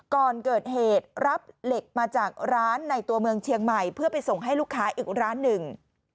ก่อนเกิดเหตุรับเหล็กมาจากร้านในตัวเมืองเชียงใหม่เพื่อไปส่งให้ลูกค้าอีกร้านหนึ่ง